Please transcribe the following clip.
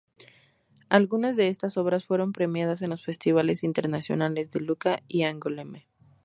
Algunas de estas obras fueron premiadas en los festivales internacionales de Lucca y Angoulême.